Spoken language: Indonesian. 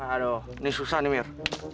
aduh ini susah nih mir